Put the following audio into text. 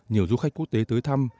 nhiều du khách quốc tế tới thăm